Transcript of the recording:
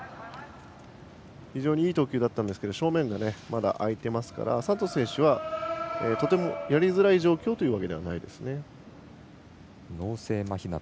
非常にいい投球だったんですが正面がまだ空いていますからサントス選手はとてもやりづらい状況というわけではないですね。